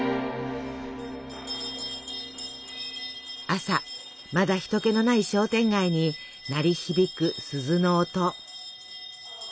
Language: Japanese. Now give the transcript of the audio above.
朝まだ人けのない商店街に鳴り響く鈴の音。